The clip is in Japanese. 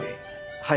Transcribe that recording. はい！